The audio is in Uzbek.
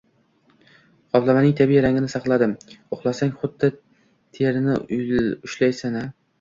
Qoplamaning tabiiy rangini saqladim, ushlasang, xuddi terini ushlaysan-a